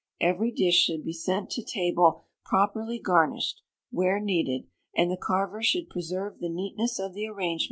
Every dish ahould be sent to table properly garnished (where needed), and the carver should preserve the neatness of the arrangement as much as possible.